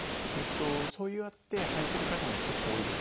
そうやってはいてる方も結構多いです。